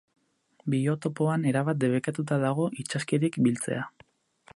Biotopoan erabat debekatuta dago itsaskirik biltzea.